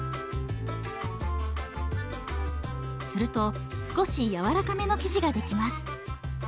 すると少し柔らかめの生地ができます。